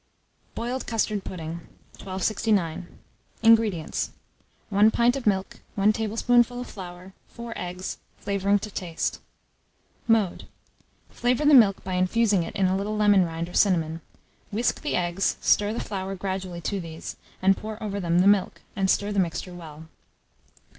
BOILED CUSTARD PUDDING. 1269. INGREDIENTS. 1 pint of milk, 1 tablespoonful of flour, 4 eggs, flavouring to taste. Mode. Flavour the milk by infusing in it a little lemon rind or cinnamon; whisk the eggs, stir the flour gradually to these, and pour over them the milk, and stir the mixture well.